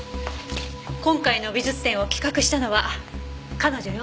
今回の美術展を企画したのは彼女よ。